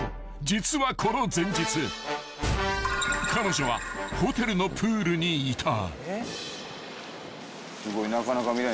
［実はこの前日彼女はホテルのプールにいた］